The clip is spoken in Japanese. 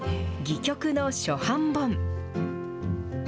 戯曲の初版本。